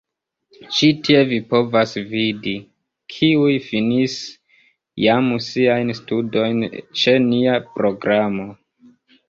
Ĉi tie vi povas vidi, kiuj finis jam siajn studojn ĉe nia programo.